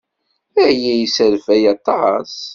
Aya yesserfay aṭas.